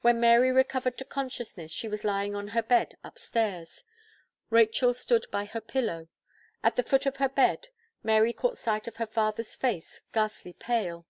When Mary recovered to consciousness, she was lying on her bed, up stairs. Rachel stood by her pillow. At the foot of her bed, Mary caught sight of her father's face, ghastly pale.